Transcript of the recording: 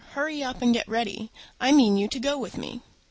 Hurry up and get ready: I mean you to go with me."